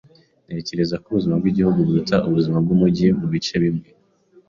Ntekereza ko ubuzima bwigihugu buruta ubuzima bwumujyi mubice bimwe.